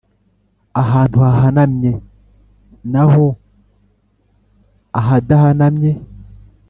ahantu hahanamye naho ahadahanamye